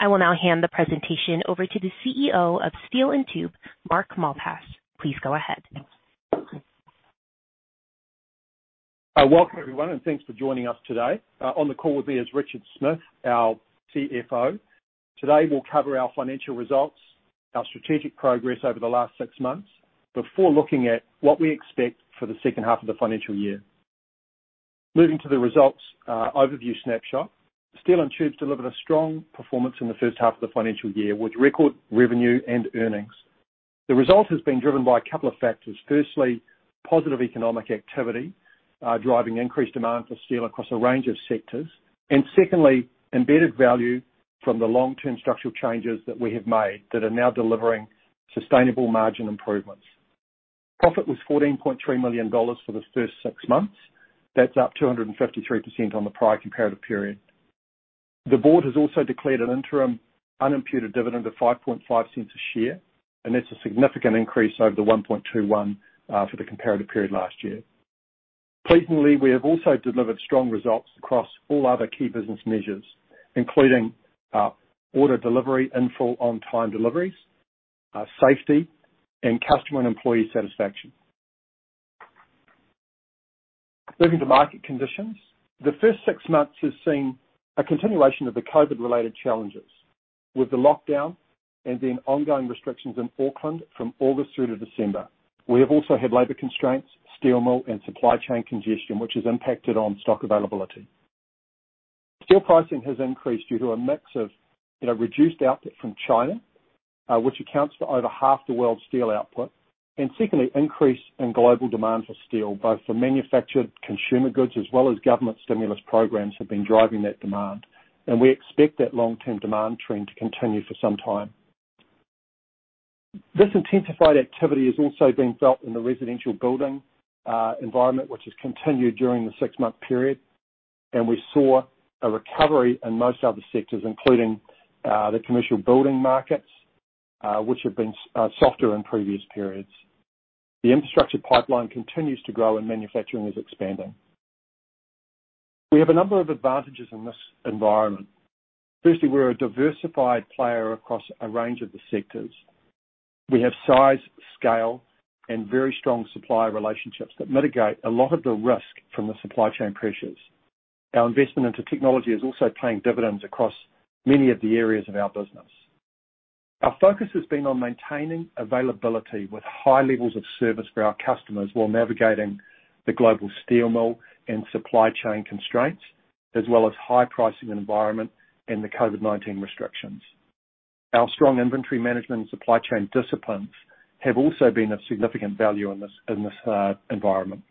I will now hand the presentation over to the CEO of Steel & Tube, Mark Malpass. Please go ahead. Welcome everyone, and thanks for joining us today. On the call with me is Richard Smyth, our CFO. Today, we'll cover our financial results, our strategic progress over the last six months before looking at what we expect for the second half of the financial year. Moving to the results, overview snapshot. Steel & Tube's delivered a strong performance in the first half of the financial year with record revenue and earnings. The result has been driven by a couple of factors. Firstly, positive economic activity, driving increased demand for steel across a range of sectors. Secondly, embedded value from the long-term structural changes that we have made that are now delivering sustainable margin improvements. Profit was $14.3 million for the first six months. That's up 253% on the prior comparative period. The board has also declared an interim unimputed dividend of $0.055 a share, and it's a significant increase over the $0.0121 for the comparative period last year. Pleasingly, we have also delivered strong results across all other key business measures, including order delivery and full on-time deliveries, safety and customer and employee satisfaction. Moving to market conditions. The first six months has seen a continuation of the COVID-related challenges with the lockdown and then ongoing restrictions in Auckland from August through to December. We have also had labor constraints, steel mill and supply chain congestion, which has impacted on stock availability. Steel pricing has increased due to a mix of, you know, reduced output from China, which accounts for over half the world's steel output. Secondly, increase in global demand for steel, both for manufactured consumer goods as well as government stimulus programs have been driving that demand. We expect that long-term demand trend to continue for some time. This intensified activity has also been felt in the residential building environment, which has continued during the six-month period. We saw a recovery in most other sectors, including, the commercial building markets, which have been softer in previous periods. The infrastructure pipeline continues to grow and manufacturing is expanding. We have a number of advantages in this environment. Firstly, we're a diversified player across a range of the sectors. We have size, scale and very strong supplier relationships that mitigate a lot of the risk from the supply chain pressures. Our investment into technology is also paying dividends across many of the areas of our business. Our focus has been on maintaining availability with high levels of service for our customers while navigating the global steel mill and supply chain constraints, as well as high pricing environment and the COVID-19 restrictions. Our strong inventory management and supply chain disciplines have also been of significant value in this environment.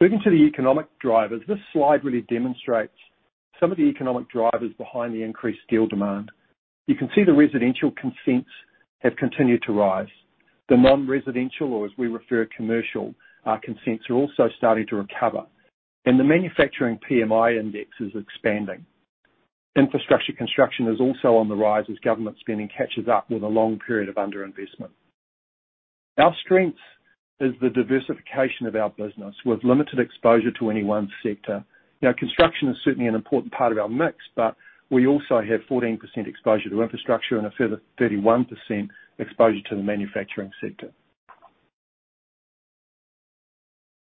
Moving to the economic drivers. This slide really demonstrates some of the economic drivers behind the increased steel demand. You can see the residential consents have continued to rise. The non-residential, or as we refer, commercial, consents are also starting to recover. The manufacturing PMI index is expanding. Infrastructure construction is also on the rise as government spending catches up with a long period of underinvestment. Our strength is the diversification of our business with limited exposure to any one sector. You know, construction is certainly an important part of our mix, but we also have 14% exposure to infrastructure and a further 31% exposure to the manufacturing sector.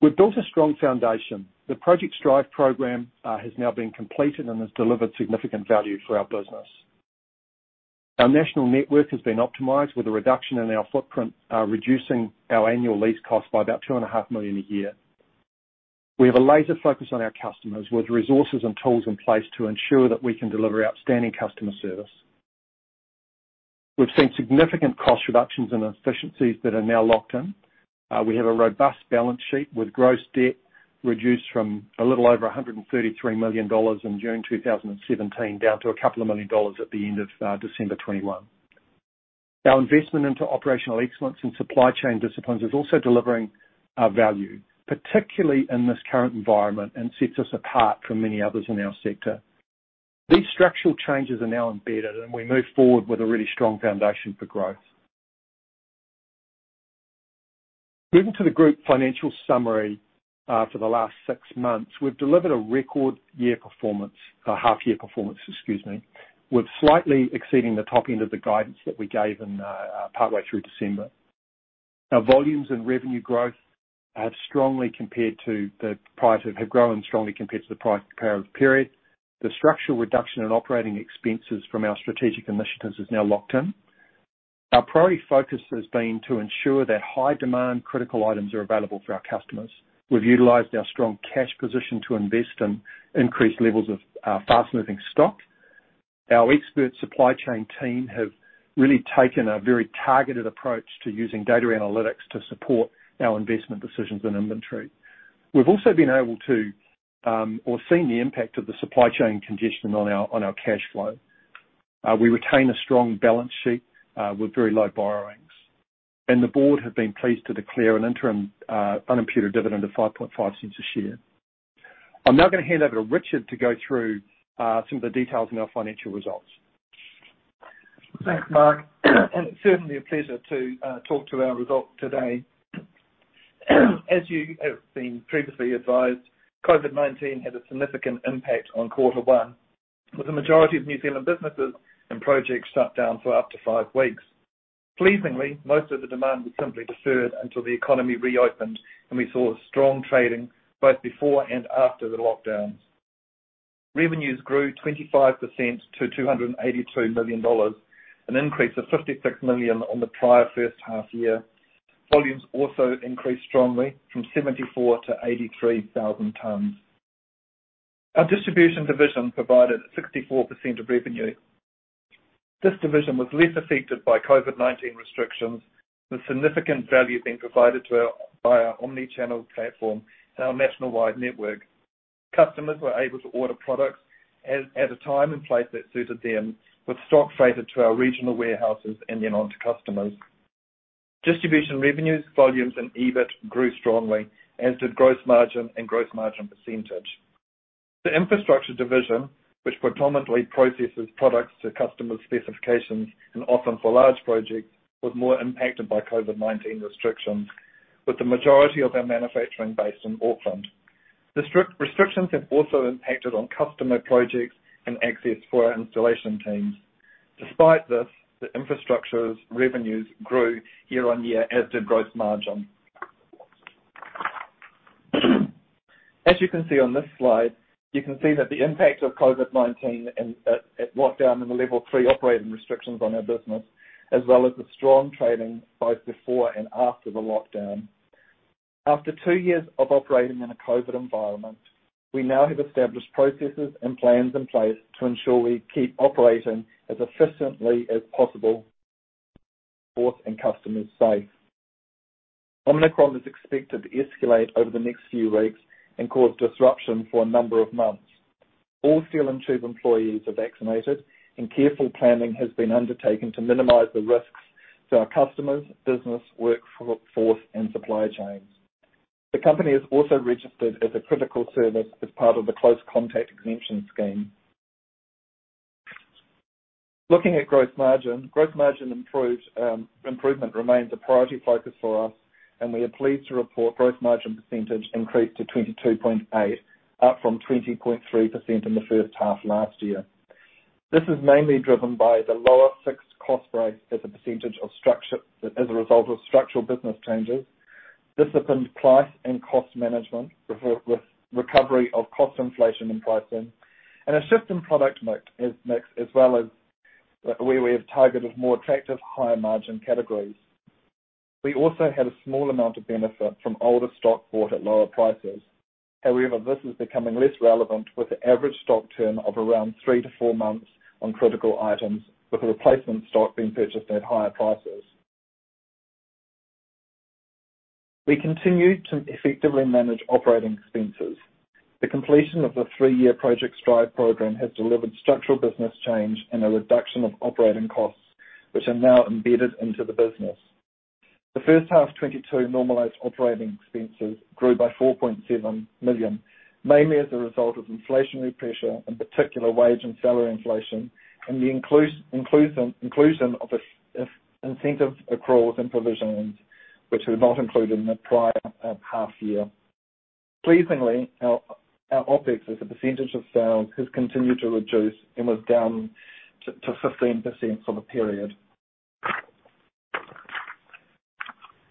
We've built a strong foundation. The Project Strive program has now been completed and has delivered significant value for our business. Our national network has been optimized with a reduction in our footprint, reducing our annual lease cost by about $2.5 million a year. We have a laser focus on our customers with resources and tools in place to ensure that we can deliver outstanding customer service. We've seen significant cost reductions and efficiencies that are now locked in. We have a robust balance sheet with gross debt reduced from a little over $133 million in June 2017 down to a couple of $1 million at the end of December 2021. Our investment into operational excellence and supply chain disciplines is also delivering value, particularly in this current environment, and sets us apart from many others in our sector. These structural changes are now embedded, and we move forward with a really strong foundation for growth. Moving to the group financial summary for the last six months. We've delivered a record half-year performance, excuse me. We're slightly exceeding the top end of the guidance that we gave in partway through December. Our volumes and revenue growth have grown strongly compared to the prior comparative period. The structural reduction in operating expenses from our strategic initiatives is now locked in. Our priority focus has been to ensure that high demand critical items are available for our customers. We've utilized our strong cash position to invest in increased levels of fast-moving stock. Our expert supply chain team have really taken a very targeted approach to using data analytics to support our investment decisions and inventory. We've also seen the impact of the supply chain congestion on our cash flow. We retain a strong balance sheet with very low borrowings. The board have been pleased to declare an interim unimputed dividend of $0.055 a share. I'm now gonna hand over to Richard to go through some of the details in our financial results. Thanks, Mark, and certainly a pleasure to talk about our results today. As you have been previously advised, COVID-19 had a significant impact on quarter one, with the majority of New Zealand businesses and projects shut down for up to five weeks. Pleasingly, most of the demand was simply deferred until the economy reopened, and we saw strong trading both before and after the lockdowns. Revenues grew 25% to $282 million, an increase of $56 million on the prior first half year. Volumes also increased strongly from 74,000-83,000 tonnes. Our distribution division provided 64% of revenue. This division was less affected by COVID-19 restrictions, with significant value being provided by our omni-channel platform and our nationwide network. Customers were able to order products at a time and place that suited them with stock freighted to our regional warehouses and then on to customers. Distribution revenues, volumes, and EBIT grew strongly, as did gross margin and gross margin percentage. The infrastructure division, which predominantly processes products to customers' specifications, and often for large projects, was more impacted by COVID-19 restrictions, with the majority of our manufacturing based in Auckland. The strict restrictions have also impacted on customer projects and access for our installation teams. Despite this, the infrastructure's revenues grew year on year, as did gross margin. As you can see on this slide, the impact of COVID-19 and at lockdown and the level three operating restrictions on our business, as well as the strong trading both before and after the lockdown. After two years of operating in a COVID environment, we now have established processes and plans in place to ensure we keep operating as efficiently as possible, our staff and customers safe. Omicron is expected to escalate over the next few weeks and cause disruption for a number of months. All Steel & Tube employees are vaccinated, and careful planning has been undertaken to minimize the risks to our customers, business, workforce, and supply chain. The company is also registered as a critical service as part of the Close Contact Exemption Scheme. Looking at gross margin. Improvement remains a priority focus for us, and we are pleased to report gross margin percentage increased to 22.8%, up from 20.3% in the first half last year. This is mainly driven by the lower fixed cost base as a result of structural business changes, disciplined price and cost management with recovery of cost inflation and pricing, and a shift in product mix, as well as where we have targeted more attractive higher margin categories. We also had a small amount of benefit from older stock bought at lower prices. However, this is becoming less relevant with the average stock turn of around three to four months on critical items, with replacement stock being purchased at higher prices. We continued to effectively manage operating expenses. The completion of the three-year Project Strive program has delivered structural business change and a reduction of operating costs, which are now embedded into the business. The first half 2022 normalized operating expenses grew by $4.7 million, mainly as a result of inflationary pressure, in particular wage and salary inflation, and the inclusion of incentive accruals and provisions, which were not included in the prior half year. Pleasingly, our OpEx as a percentage of sales has continued to reduce and was down to 15% for the period.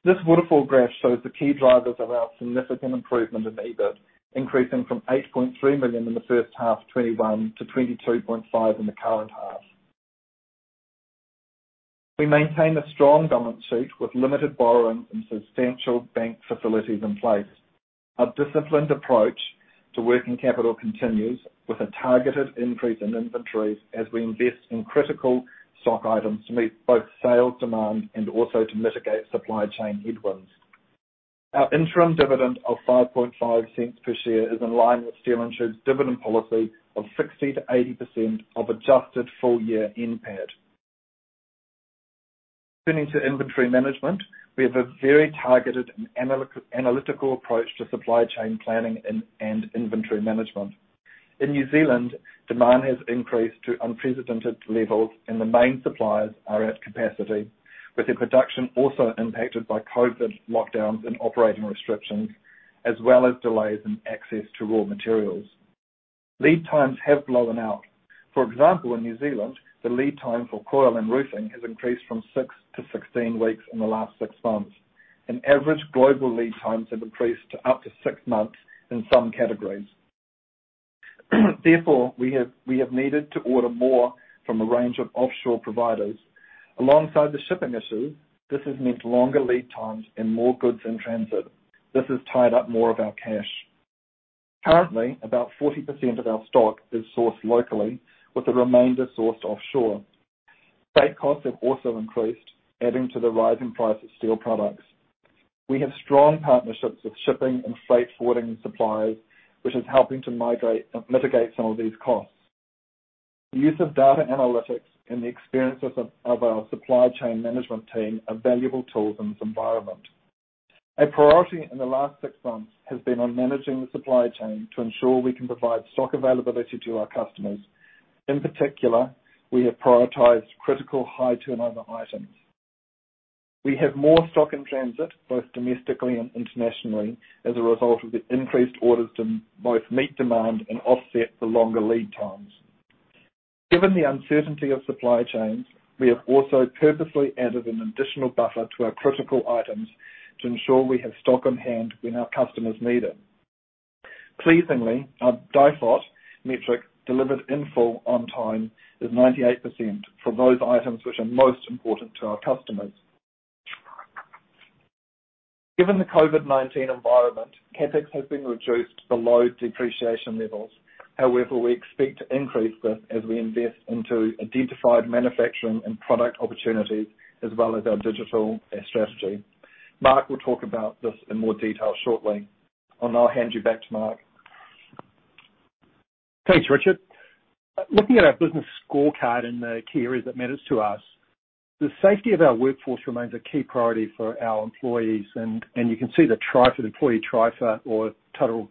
This waterfall graph shows the key drivers of our significant improvement in EBIT, increasing from $8.3 million in the first half 2021 to $22.5 million in the current half. We maintain a strong balance sheet with limited borrowing and substantial bank facilities in place. Our disciplined approach to working capital continues, with a targeted increase in inventories as we invest in critical stock items to meet both sales demand and also to mitigate supply chain headwinds. Our interim dividend of $0.055 per share is in line with Steel & Tube's dividend policy of 60%-80% of adjusted full-year NPAT. Turning to inventory management, we have a very targeted and analytical approach to supply chain planning and inventory management. In New Zealand, demand has increased to unprecedented levels, and the main suppliers are at capacity, with their production also impacted by COVID lockdowns and operating restrictions, as well as delays in access to raw materials. Lead times have blown out. For example, in New Zealand, the lead time for coil and roofing has increased from six to 16 weeks in the last six months. Average global lead times have increased to up to six months in some categories. Therefore, we have needed to order more from a range of offshore providers. Alongside the shipping issue, this has meant longer lead times and more goods in transit. This has tied up more of our cash. Currently, about 40% of our stock is sourced locally, with the remainder sourced offshore. Freight costs have also increased, adding to the rising price of steel products. We have strong partnerships with shipping and freight forwarding suppliers, which is helping to mitigate some of these costs. The use of data analytics and the experiences of our supply chain management team are valuable tools in this environment. A priority in the last six months has been on managing the supply chain to ensure we can provide stock availability to our customers. In particular, we have prioritized critical high turnover items. We have more stock in transit, both domestically and internationally, as a result of the increased orders to both meet demand and offset the longer lead times. Given the uncertainty of supply chains, we have also purposely added an additional buffer to our critical items to ensure we have stock on hand when our customers need it. Pleasingly, our DIFOT metric, Delivered In-Full, On-Time, is 98% for those items which are most important to our customers. Given the COVID-19 environment, CapEx has been reduced below depreciation levels. However, we expect to increase this as we invest into identified manufacturing and product opportunities as well as our digital strategy. Mark will talk about this in more detail shortly. I'll now hand you back to Mark. Thanks, Richard. Looking at our business scorecard in the key areas that matters to us, the safety of our workforce remains a key priority for our employees. You can see the TRIFR, the employee TRIFR or total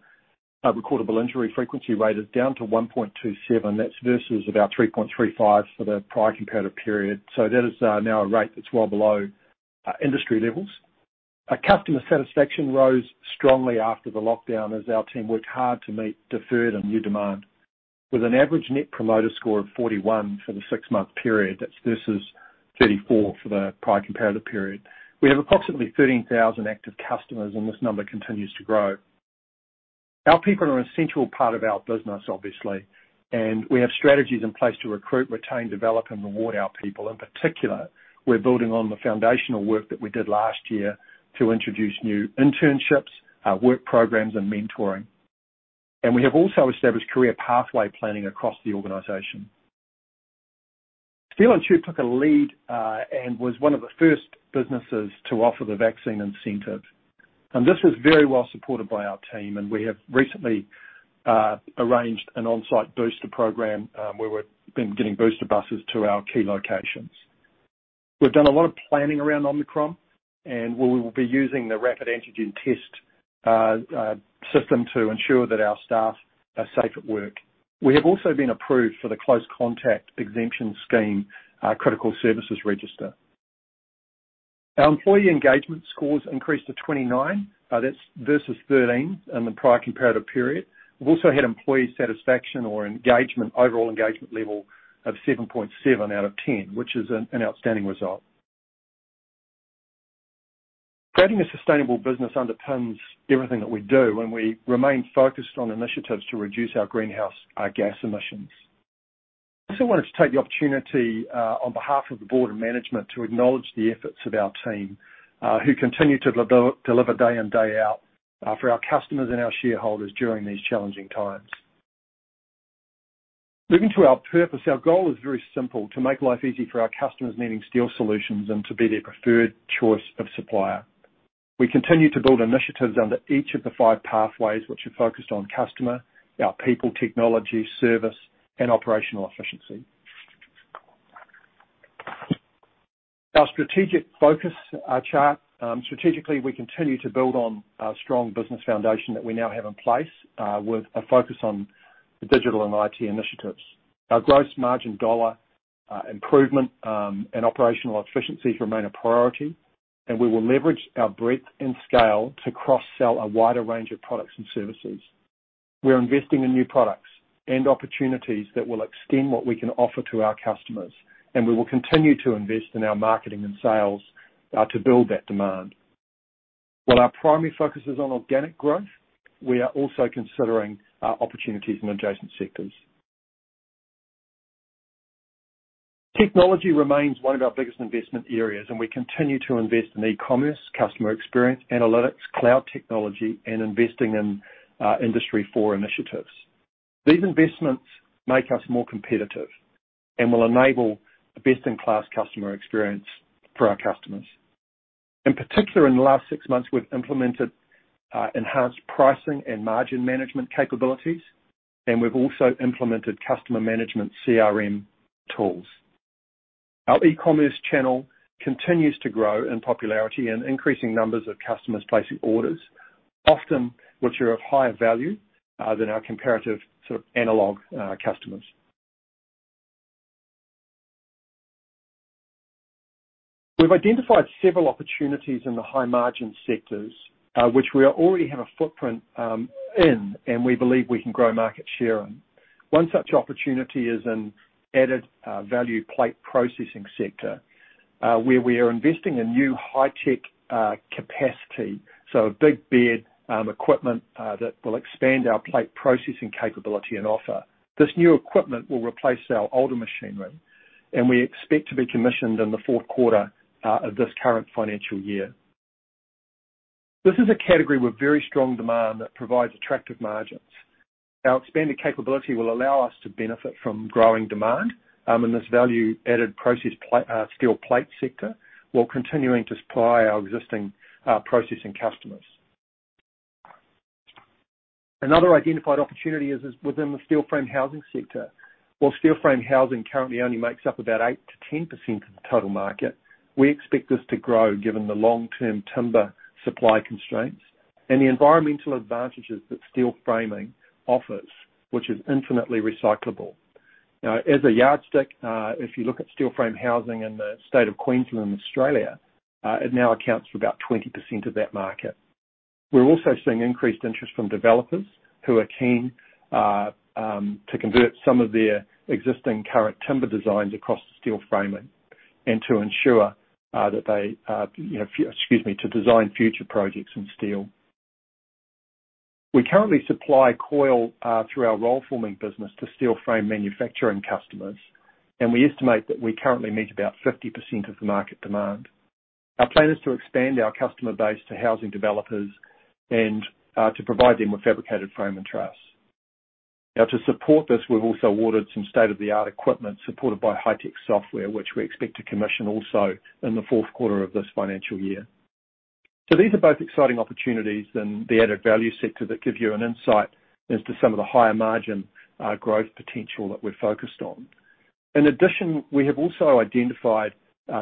recordable injury frequency rate, is down to 1.27. That's versus about 3.35 for the prior comparative period. That is now a rate that's well below industry levels. Our customer satisfaction rose strongly after the lockdown as our team worked hard to meet deferred and new demand. With an average net promoter score of 41 for the six-month period, that's versus 34 for the prior comparative period. We have approximately 13,000 active customers, and this number continues to grow. Our people are an essential part of our business, obviously, and we have strategies in place to recruit, retain, develop, and reward our people. In particular, we're building on the foundational work that we did last year to introduce new internships, work programs and mentoring. We have also established career pathway planning across the organization. Steel & Tube took a lead, and was one of the first businesses to offer the vaccine incentive. This is very well supported by our team, and we have recently arranged an on-site booster program, where we've been getting booster buses to our key locations. We've done a lot of planning around Omicron, and we will be using the rapid antigen test system to ensure that our staff are safe at work. We have also been approved for the Close Contact Exemption Scheme Critical Services Register. Our employee engagement scores increased to 29, that's versus 13 in the prior comparative period. We've also had employee satisfaction or engagement, overall engagement level of 7.7 out of 10, which is an outstanding result. Creating a sustainable business underpins everything that we do, and we remain focused on initiatives to reduce our greenhouse gas emissions. I also wanted to take the opportunity on behalf of the board and management to acknowledge the efforts of our team who continue to deliver day in, day out for our customers and our shareholders during these challenging times. Moving to our purpose, our goal is very simple: to make life easy for our customers needing steel solutions and to be their preferred choice of supplier. We continue to build initiatives under each of the five pathways which are focused on customer, our people, technology, service, and operational efficiency. Our strategic focus chart. Strategically, we continue to build on our strong business foundation that we now have in place, with a focus on the digital and IT initiatives. Our gross margin dollar improvement and operational efficiencies remain a priority, and we will leverage our breadth and scale to cross-sell a wider range of products and services. We're investing in new products and opportunities that will extend what we can offer to our customers, and we will continue to invest in our marketing and sales to build that demand. While our primary focus is on organic growth, we are also considering opportunities in adjacent sectors. Technology remains one of our biggest investment areas, and we continue to invest in e-commerce, customer experience, analytics, cloud technology, and investing in Industry 4.0 initiatives. These investments make us more competitive and will enable a best-in-class customer experience for our customers. In particular, in the last six months, we've implemented enhanced pricing and margin management capabilities, and we've also implemented customer management CRM tools. Our e-commerce channel continues to grow in popularity and increasing numbers of customers placing orders, often which are of higher value than our comparative sort of analog customers. We've identified several opportunities in the high-margin sectors, which we already have a footprint in, and we believe we can grow market share in. One such opportunity is in added value plate processing sector, where we are investing in new high-tech capacity, so big bed equipment, that will expand our plate processing capability and offer. This new equipment will replace our older machinery, and we expect to be commissioned in the fourth quarter of this current financial year. This is a category with very strong demand that provides attractive margins. Our expanded capability will allow us to benefit from growing demand in this value-added processed steel plate sector while continuing to supply our existing processing customers. Another identified opportunity is within the steel frame housing sector. While steel frame housing currently only makes up about 8%-10% of the total market, we expect this to grow given the long-term timber supply constraints and the environmental advantages that steel framing offers, which is infinitely recyclable. Now, as a yardstick, if you look at steel frame housing in the state of Queensland, Australia, it now accounts for about 20% of that market. We're also seeing increased interest from developers who are keen to convert some of their existing current timber designs across steel framing and to design future projects in steel. We currently supply coil through our rollforming business to steel frame manufacturing customers, and we estimate that we currently meet about 50% of the market demand. Our plan is to expand our customer base to housing developers and to provide them with fabricated frame and truss. Now to support this, we've also awarded some state-of-the-art equipment supported by high-tech software, which we expect to commission also in the fourth quarter of this financial year. These are both exciting opportunities in the added value sector that give you an insight as to some of the higher margin growth potential that we're focused on. In addition, we have also identified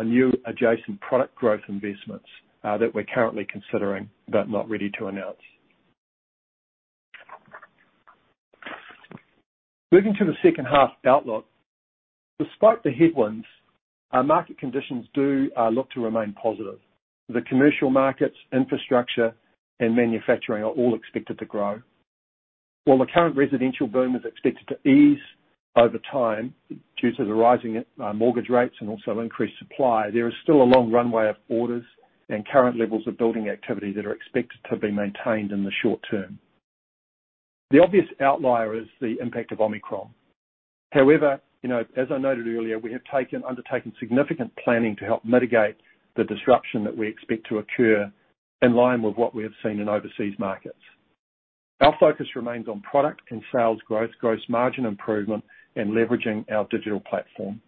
new adjacent product growth investments that we're currently considering but not ready to announce. Moving to the second half outlook. Despite the headwinds, our market conditions do look to remain positive. The commercial markets, infrastructure, and manufacturing are all expected to grow. While the current residential boom is expected to ease over time due to the rising mortgage rates and also increased supply, there is still a long runway of orders and current levels of building activity that are expected to be maintained in the short term. The obvious outlier is the impact of Omicron. However, you know, as I noted earlier, we have undertaken significant planning to help mitigate the disruption that we expect to occur in line with what we have seen in overseas markets. Our focus remains on product and sales growth, gross margin improvement, and leveraging our digital platform.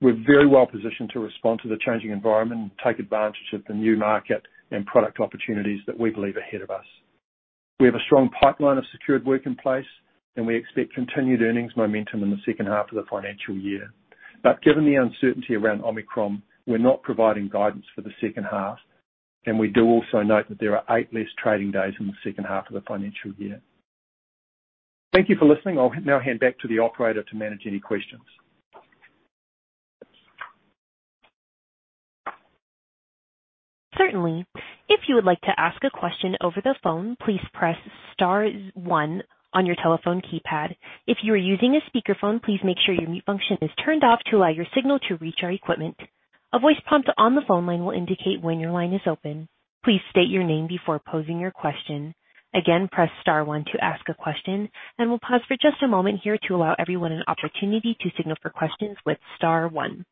We're very well positioned to respond to the changing environment and take advantage of the new market and product opportunities that we believe are ahead of us. We have a strong pipeline of secured work in place, and we expect continued earnings momentum in the second half of the financial year. Given the uncertainty around Omicron, we're not providing guidance for the second half, and we do also note that there are eight less trading days in the second half of the financial year. Thank you for listening. I'll now hand back to the operator to manage any questions. Certainly. If you would like to ask a question over the phone, please press star one on your telephone keypad. If you are using a speakerphone, please make sure your mute function is turned off to allow your signal to reach our equipment. A voice prompt on the phone line will indicate when your line is open. Please state your name before posing your question. Again, press star one to ask a question, and we'll pause for just a moment here to allow everyone an opportunity to signal for questions with star one.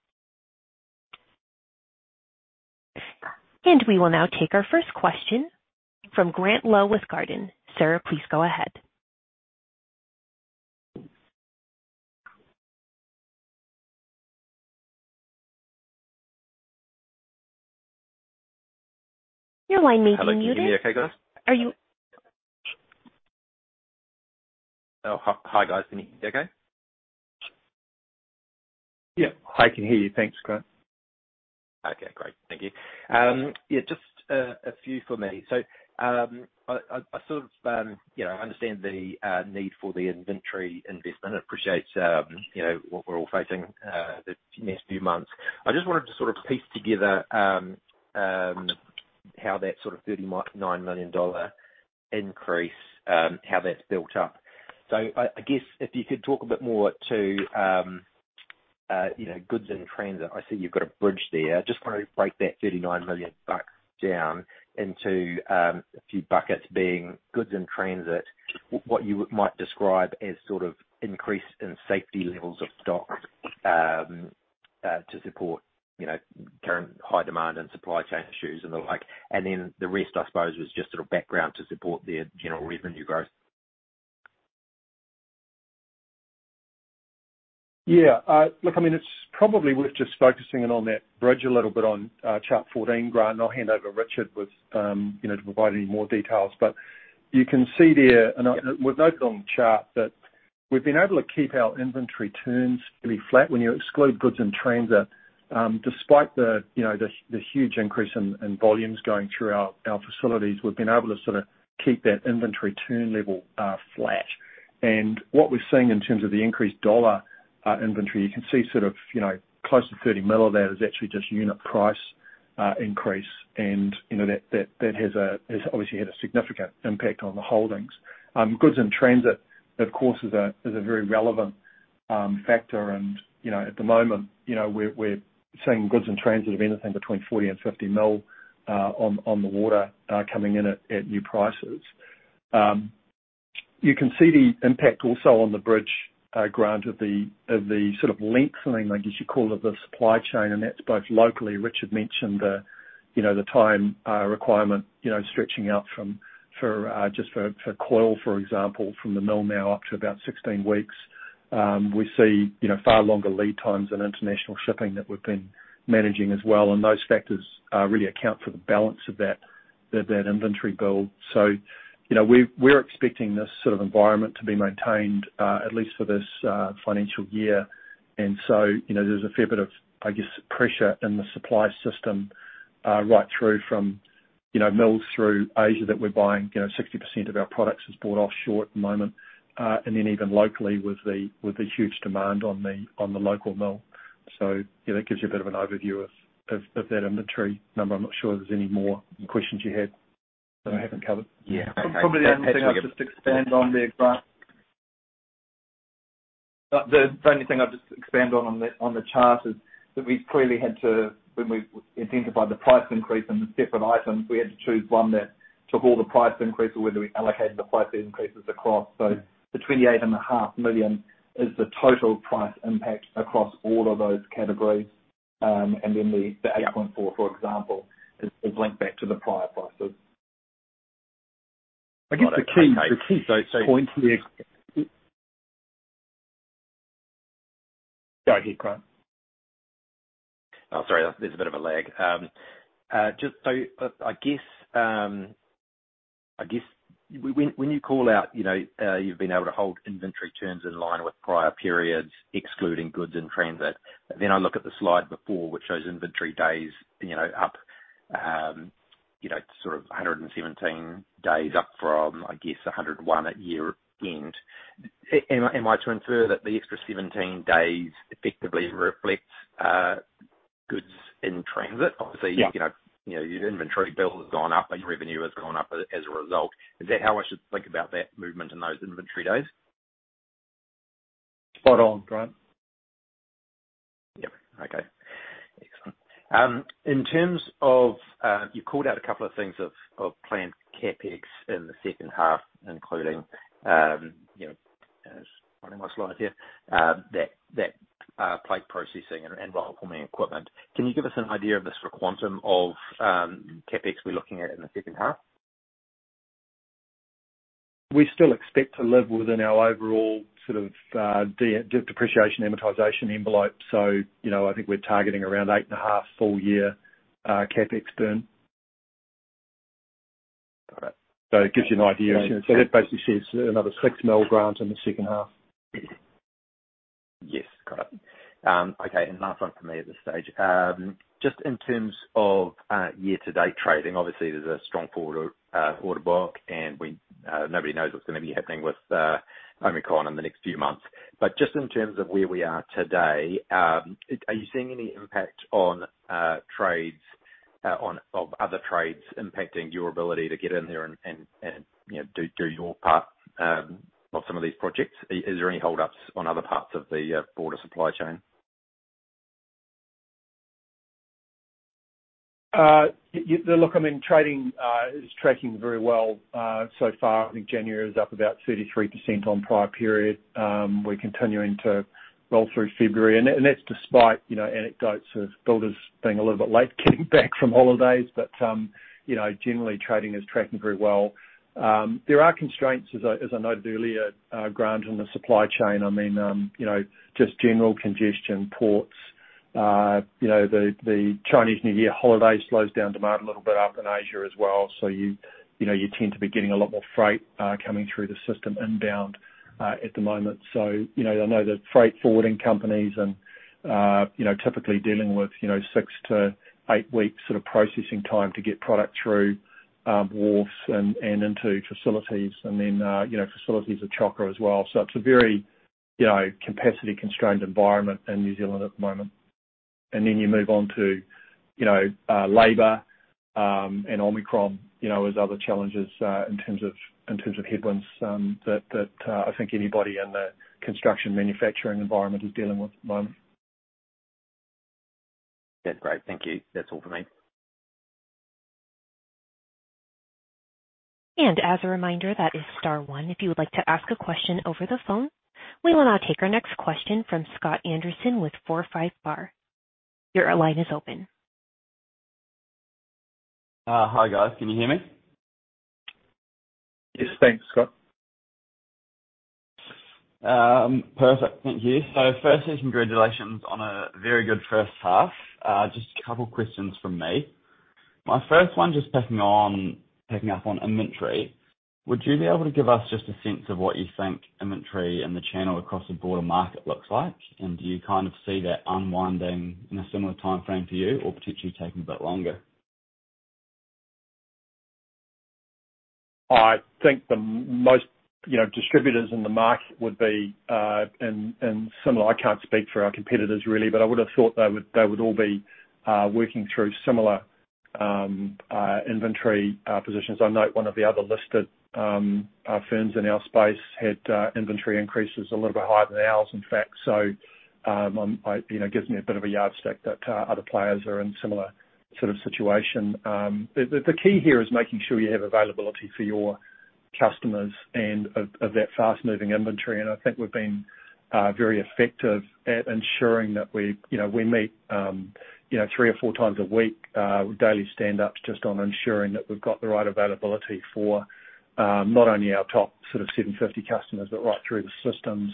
We will now take our first question from Grant Lowe with Jarden. Sir, please go ahead. Your line may be muted. Hello. Can you hear me okay, guys? Are you- Oh, hi, guys. Can you hear me okay? Yeah. I can hear you. Thanks, Grant. Okay, great. Thank you. Yeah, just a few for me. I sort of, you know, understand the need for the inventory investment. I appreciate, you know, what we're all facing, the next few months. I just wanted to sort of piece together how that sort of $39 million increase, how that's built up. I guess if you could talk a bit more to, you know, goods in transit. I see you've got a bridge there. Just wanna break that $39 million down into a few buckets being goods in transit, what you might describe as sort of increase in safety levels of stock to support, you know, current high demand and supply chain issues and the like. The rest, I suppose, was just sort of background to support the general revenue growth. Yeah. Look, I mean, it's probably worth just focusing in on that bridge a little bit on chart 14, Grant. I'll hand over to Richard, you know, to provide any more details. You can see there, we've noted on the chart that we've been able to keep our inventory turns pretty flat when you exclude goods in transit. Despite, you know, the huge increase in volumes going through our facilities, we've been able to sort of keep that inventory turn level flat. What we're seeing in terms of the increased dollar inventory, you can see sort of, you know, close to $30 million of that is actually just unit price increase. You know, that has obviously had a significant impact on the holdings. Goods in transit, of course, is a very relevant factor and, you know, at the moment, you know, we're seeing goods in transit of anything between $40 million and $50 million on the water coming in at new prices. You can see the impact also on the bridge, Grant, of the sort of lengthening, I guess you'd call it, the supply chain, and that's both locally. Richard mentioned the time requirement, you know, stretching out from just for coil, for example, from the mill now up to about 16 weeks. We see, you know, far longer lead times in international shipping that we've been managing as well. Those factors really account for the balance of that inventory build. You know, we're expecting this sort of environment to be maintained at least for this financial year. You know, there's a fair bit of, I guess, pressure in the supply system right through from, you know, mills through Asia that we're buying. You know, 60% of our products is bought offshore at the moment. And then even locally with the huge demand on the local mill. You know, that gives you a bit of an overview of that inventory number. I'm not sure if there's any more questions you had that I haven't covered. Yeah. Probably the only thing I'll just expand on there, Grant. The only thing I'll just expand on the chart is that we clearly had to when we identified the price increase in the separate items, we had to choose one that took all the price increase or whether we allocated the price increases across. The $28.5 million is the total price impact across all of those categories, and then the- The 8.4, for example, is linked back to the prior prices. I guess the key point here. Go ahead, Grant. Oh, sorry. There's a bit of a lag. Just so, I guess, I guess when you call out, you know, you've been able to hold inventory turns in line with prior periods, excluding goods in transit. I look at the slide before which shows inventory days, you know, up, you know, sort of 117 days up from, I guess, 101 at year end. Am I to infer that the extra 17 days effectively reflects goods in transit? Yeah. Obviously, you know, your inventory bill has gone up and your revenue has gone up as a result. Is that how I should think about that movement in those inventory days? Spot on, Grant. Yep. Okay. Excellent. In terms of, you called out a couple of things of planned CapEx in the second half, including, you know, just finding my slides here, that plate processing and roll forming equipment. Can you give us an idea of the sort of quantum of CapEx we're looking at in the second half? We still expect to live within our overall sort of depreciation amortization envelope. You know, I think we're targeting around 8.5 full-year CapEx spend. Got it. It gives you an idea. That basically says another $6 million, Grant, in the second half. Yes. Got it. Okay, and last one for me at this stage. Just in terms of year-to-date trading, obviously there's a strong forward order book, and nobody knows what's gonna be happening with Omicron in the next few months. Just in terms of where we are today, are you seeing any impact on trades of other trades impacting your ability to get in there and you know do your part on some of these projects? Is there any hold-ups on other parts of the broader supply chain? Look, I mean, trading is tracking very well so far. I think January is up about 33% on prior period. We're continuing to roll through February and that's despite, you know, anecdotes of builders being a little bit late getting back from holidays. Generally trading is tracking very well. There are constraints as I noted earlier, Grant, in the supply chain. I mean, you know, just general congestion, ports, you know, the Chinese New Year holiday slows down demand a little bit up in Asia as well. You know, you tend to be getting a lot more freight coming through the system inbound at the moment. You know, I know that freight forwarding companies and, you know, typically dealing with, you know, six to eight weeks sort of processing time to get product through wharves and into facilities. You know, facilities are chockers as well. It's a very, you know, capacity constrained environment in New Zealand at the moment. You move on to, you know, labor and Omicron, you know, as other challenges in terms of headwinds that I think anybody in the construction manufacturing environment is dealing with at the moment. That's great. Thank you. That's all for me. As a reminder, that is star one if you would like to ask a question over the phone. We will now take our next question from Scott Anderson with Forsyth Barr. Your line is open. Hi, guys. Can you hear me? Yes. Thanks, Scott. Perfect. Thank you. Firstly, congratulations on a very good first half. Just a couple questions from me. My first one, just picking up on inventory. Would you be able to give us just a sense of what you think inventory and the channel across the broader market looks like? Do you kind of see that unwinding in a similar timeframe to you or potentially taking a bit longer? I think most distributors in the market would be in similar. I can't speak for our competitors really, but I would've thought they would all be working through similar inventory positions. I note one of the other listed firms in our space had inventory increases a little bit higher than ours, in fact. You know, it gives me a bit of a yardstick that other players are in similar sort of situation. The key here is making sure you have availability for your customers and of that fast moving inventory. I think we've been very effective at ensuring that we, you know, we meet, you know, three or four times a week, daily standups just on ensuring that we've got the right availability for, not only our top sort of 750 customers, but right through the system.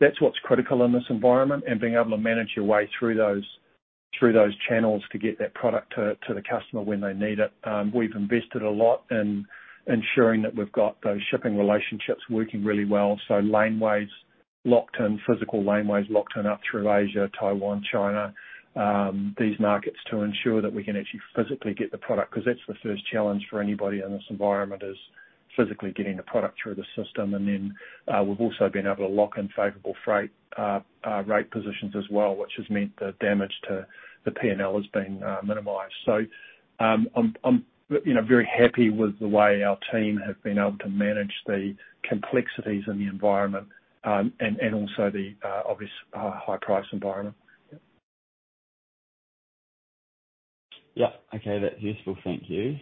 That's what's critical in this environment and being able to manage your way through those channels to get that product to the customer when they need it. We've invested a lot in ensuring that we've got those shipping relationships working really well. So laneways locked in, physical laneways locked in up through Asia, Taiwan, China, these markets, to ensure that we can actually physically get the product. 'Cause that's the first challenge for anybody in this environment, is physically getting the product through the system. We've also been able to lock in favorable freight rate positions as well, which has meant the damage to the P&L has been minimized. I'm you know very happy with the way our team have been able to manage the complexities in the environment and also the obvious high price environment. Yeah. Okay. That's useful. Thank you.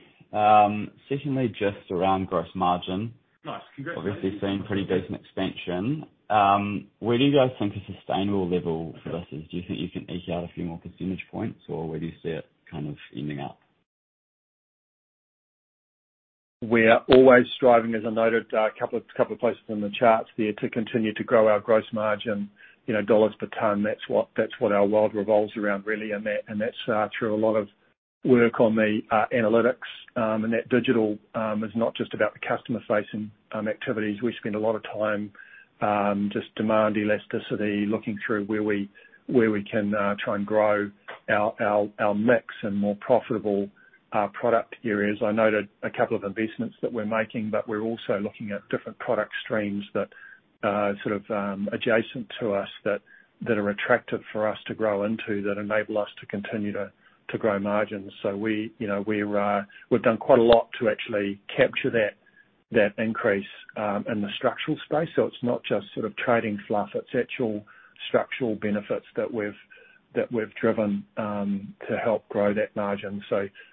Secondly, just around gross margin- Nice. Congratulations. Obviously seeing pretty decent expansion. Where do you guys think a sustainable level for this is? Do you think you can eke out a few more percentage points, or where do you see it kind of ending up? We're always striving, as I noted, a couple of places in the charts there, to continue to grow our gross margin, you know, dollars per ton. That's what our world revolves around really. That's through a lot of work on the analytics. That digital is not just about the customer facing activities. We spend a lot of time just demand elasticity, looking through where we can try and grow our mix and more profitable product areas. I noted a couple of investments that we're making, but we're also looking at different product streams that sort of adjacent to us that are attractive for us to grow into that enable us to continue to grow margins. We, you know, we've done quite a lot to actually capture that increase in the structural space. It's not just sort of trading fluff, it's actual structural benefits that we've driven to help grow that margin.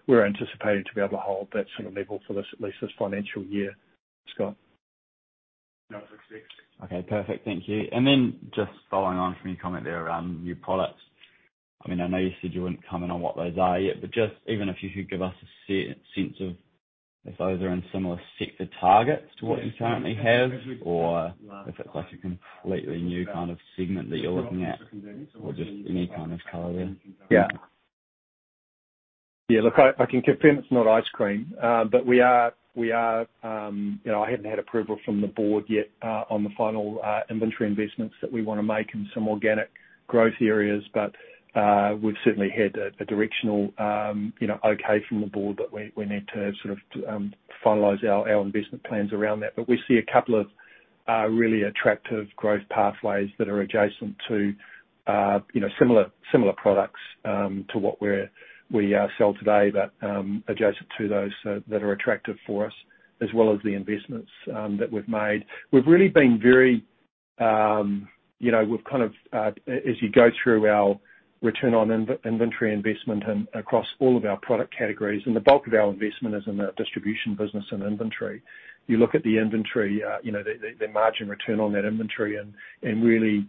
We're anticipating to be able to hold that sort of level for this, at least this financial year, Scott. Okay, perfect. Thank you. Just following on from your comment there around new products. I mean, I know you said you wouldn't comment on what those are yet, but just even if you could give us a sense of if those are in similar sector targets to what you currently have or if it's like a completely new kind of segment that you're looking at or just any kind of color there? Yeah, look, I can confirm it's not ice cream. We are, you know, I haven't had approval from the board yet on the final inventory investments that we wanna make in some organic growth areas. We've certainly had a directional, you know, okay from the board that we need to sort of finalize our investment plans around that. We see a couple of really attractive growth pathways that are adjacent to, you know, similar products to what we sell today, adjacent to those that are attractive for us as well as the investments that we've made. We've really been very, you know, we've kind of as you go through our return on inventory investment and across all of our product categories, and the bulk of our investment is in the distribution business and inventory. You look at the inventory, the margin return on that inventory and really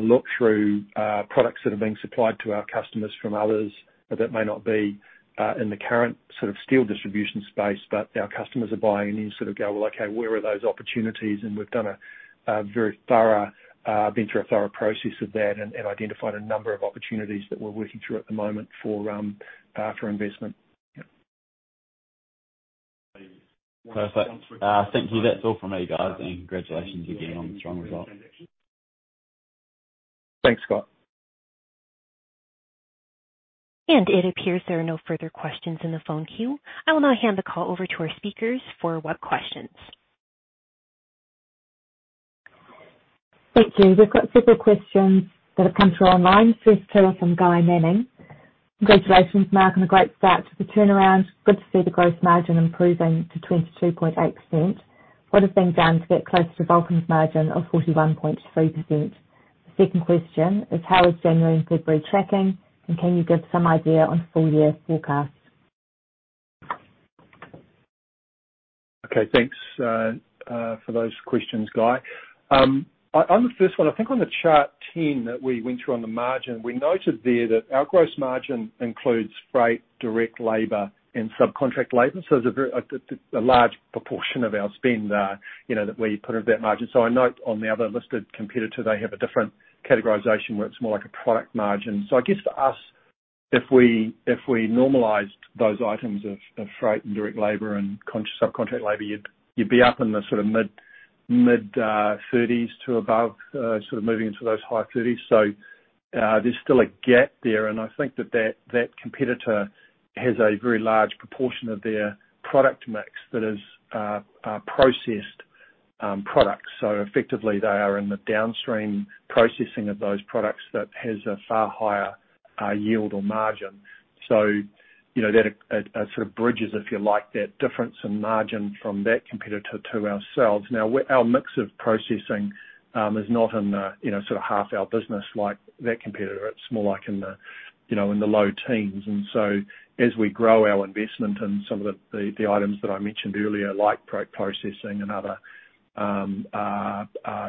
look through products that are being supplied to our customers from others that may not be in the current sort of steel distribution space, but our customers are buying and you sort of go, "Well, okay, where are those opportunities?" We've been through a very thorough process of that and identified a number of opportunities that we're working through at the moment for investment. Yeah. Perfect. Thank you. That's all from me, guys, and congratulations again on the strong results. Thanks, Scott. It appears there are no further questions in the phone queue. I will now hand the call over to our speakers for web questions. Thank you. We've got several questions that have come through online. First two are from Guy Manning. Congratulations, Mark, on a great start to the turnaround. Good to see the gross margin improving to 22.8%. What has been done to get closer to Vulcan's margin of 41.3%? The second question is, how is January and February tracking, and can you give some idea on full-year forecasts? Okay. Thanks for those questions, Guy. On the first one, I think on the Chart 10 that we went through on the margin, we noted there that our gross margin includes freight, direct labor, and subcontract labor. It's a very large proportion of our spend, you know, that we put into that margin. I note on the other listed competitor, they have a different categorization where it's more like a product margin. I guess for us, if we normalized those items of freight and direct labor and subcontract labor, you'd be up in the sort of mid 30s to above sort of moving into those high 30s. There's still a gap there, and I think that competitor has a very large proportion of their product mix that is processed products. Effectively they are in the downstream processing of those products that has a far higher yield or margin. You know, that it sort of bridges, if you like, that difference in margin from that competitor to ourselves. Now, our mix of processing is not in the, you know, sort of half our business like that competitor. It's more like in the low teens. As we grow our investment in some of the items that I mentioned earlier, like pre-processing and other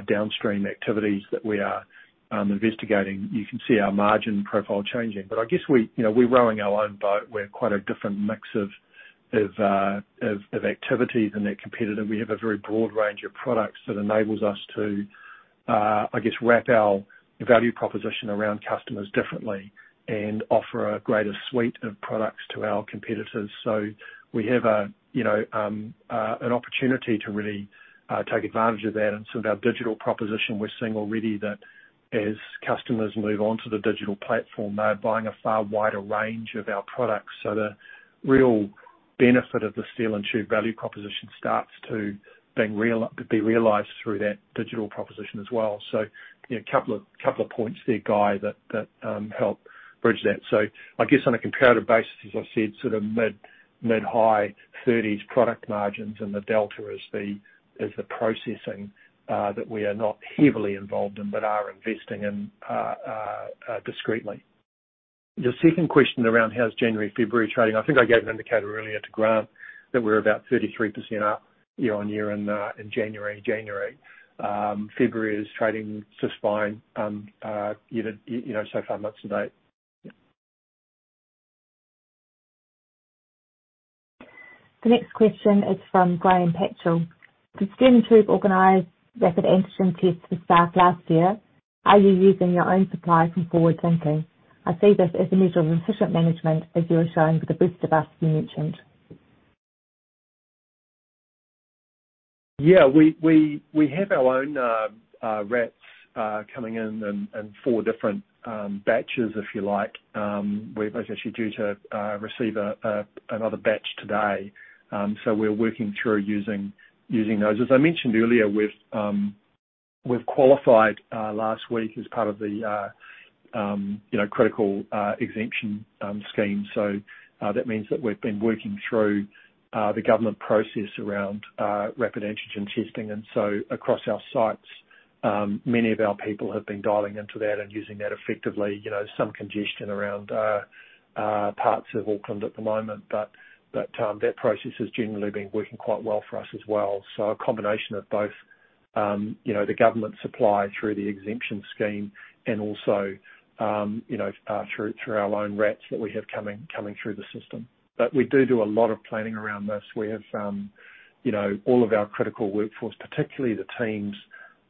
downstream activities that we are investigating, you can see our margin profile changing. I guess we, you know, we're rowing our own boat. We're quite a different mix of activities than that competitor. We have a very broad range of products that enables us to I guess wrap our value proposition around customers differently and offer a greater suite of products to our competitors. We have a, you know, an opportunity to really take advantage of that. Some of our digital proposition, we're seeing already that as customers move on to the digital platform, they're buying a far wider range of our products. The real benefit of the Steel & Tube value proposition starts to be realized through that digital proposition as well. You know, couple of points there, Guy, that help bridge that. I guess on a comparative basis, as I said, sort of mid-high 30s product margins and the delta is the processing that we are not heavily involved in, but are investing in, discreetly. Your second question around how's January, February trading? I think I gave an indicator earlier to Grant that we're about 33% up year-on-year in January. February is trading just fine, you know, so far month to date. The next question is from Graham Patchell. Did Steel & Tube organize Rapid Antigen Tests for staff last year? Are you using your own supply from forward thinking? I see this as a measure of efficient management as you are showing for the best of us you mentioned. We have our own RATs coming in four different batches, if you like. We're basically due to receive another batch today. We're working through using those. As I mentioned earlier, we've qualified last week as part of the, you know, Critical Exemption Scheme. That means that we've been working through the government process around rapid antigen testing. Across our sites, many of our people have been dialing into that and using that effectively. You know, some congestion around parts of Auckland at the moment, but that process has generally been working quite well for us as well. A combination of both, you know, the government supply through the exemption scheme and also, you know, through our own RATs that we have coming through the system. But we do a lot of planning around this. We have, you know, all of our critical workforce, particularly the teams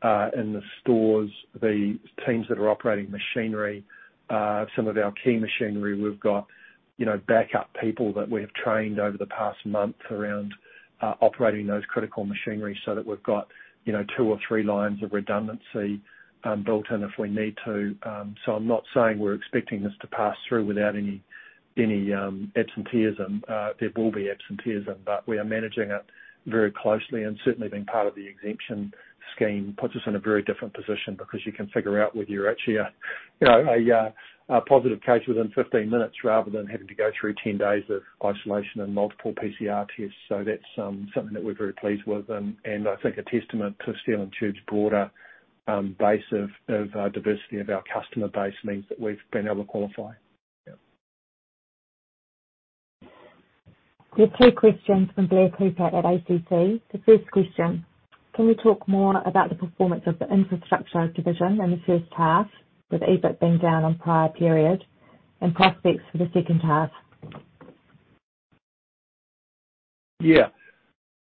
in the stores, the teams that are operating machinery, some of our key machinery we've got, you know, backup people that we have trained over the past month around operating those critical machinery so that we've got, you know, two or three lines of redundancy built in if we need to. I'm not saying we're expecting this to pass through without any absenteeism. There will be absenteeism, but we are managing it very closely. Certainly being part of the exemption scheme puts us in a very different position because you can figure out whether you're actually a, you know, positive case within 15 minutes rather than having to go through 10 days of isolation and multiple PCR tests. That's something that we're very pleased with, and I think a testament to Steel & Tube's broader base of diversity of our customer base means that we've been able to qualify. Yeah. There are two questions from Blair Picot at ACC. The first question: Can we talk more about the performance of the infrastructure division in the first half, with EBIT being down on prior period and prospects for the second half? Yeah.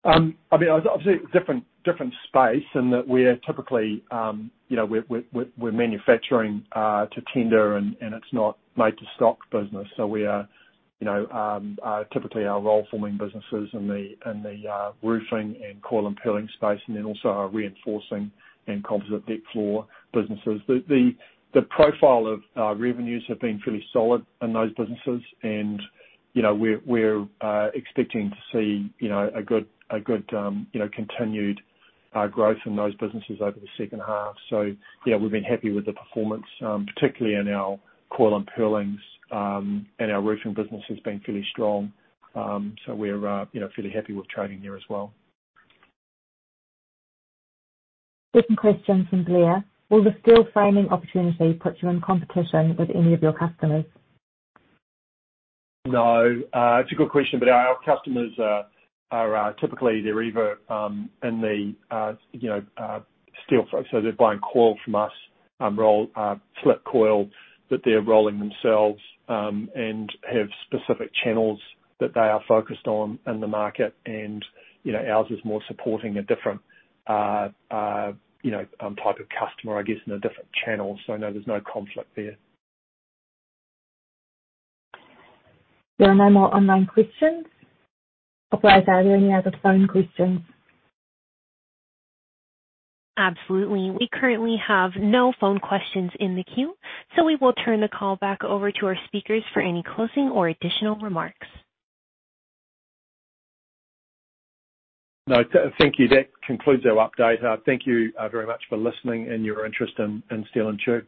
I mean, obviously different space in that we're typically, you know, we're manufacturing to tender and it's not made to stock business. We're manufacturing to tender and it's not made to stock business. Our roll forming businesses in the roofing and coil and purlin space, and then also our reinforcing and composite deck floor businesses. The profile of our revenues have been fairly solid in those businesses and, you know, we're expecting to see, you know, a good continued growth in those businesses over the second half. We've been happy with the performance, particularly in our coil and purlins, and our roofing business has been fairly strong. We're, you know, fairly happy with trading there as well. Second question from Blair: Will the steel framing opportunity put you in competition with any of your customers? No. It's a good question, but our customers are typically either in the you know steel frame, so they're buying coil from us, rolled strip coil that they're rolling themselves, and have specific channels that they are focused on in the market. You know, ours is more supporting a different you know type of customer, I guess, in a different channel. No, there's no conflict there. There are no more online questions. Operator, are there any other phone questions? Absolutely. We currently have no phone questions in the queue, so we will turn the call back over to our speakers for any closing or additional remarks. No, thank you. That concludes our update. Thank you very much for listening and your interest in Steel & Tube.